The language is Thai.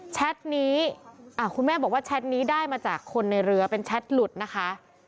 แชทนี้คุณแม่บอกว่าแชทนี้ได้มาจากคนในเรือเป็นแชทหลุดนะคะ